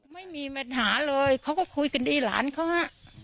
ไม่มีปัญหาเลยเขาก็คุยกันดีหลานเขาฮะ